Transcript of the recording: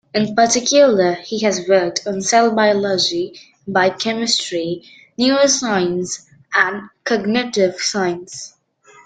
In particular, he has worked on cell biology, biochemistry, neuroscience, and cognitive science.